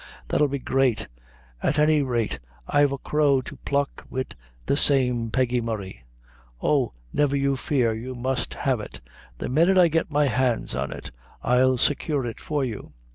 ha! that'll be great. At any rate, I've a crow to pluck wid the same Peggy Murray. Oh, never you fear, you must have it; the minnit I get my hands on it, I'll secure it for you."